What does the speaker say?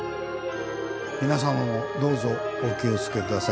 皆さまもどうぞお気を付けください。